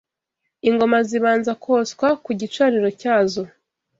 ingoma zibanza koswa ku gicaniro cyazo